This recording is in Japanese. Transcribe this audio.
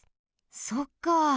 そっか。